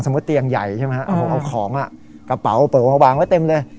สมมุติเตียงใหญ่ใช่ไหมฮะเอาของอ่ะกระเป๋าเปล่ามาวางไว้เต็มเลย